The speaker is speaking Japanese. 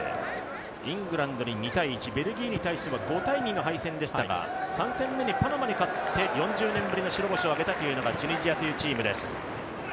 イングランドに２−１、ベルギーに対しては５−２の敗戦でしたが３戦目にパナマに勝って、４０年ぶりの白星を挙げたというのがチュニジアというチームです。